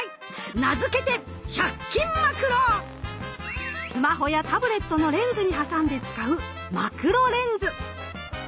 名付けてスマホやタブレットのレンズに挟んで使うマクロレンズ。